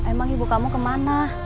emang ibu kamu kemana